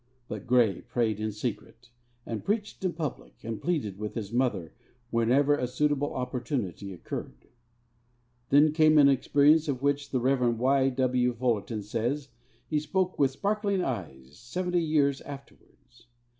But Grey prayed in secret, and preached in public, and pleaded with his mother whenever a suitable opportunity occurred. Then came an experience of which, the Rev. W. Y. Fullerton says, he spoke with sparkling eyes seventy years afterwards.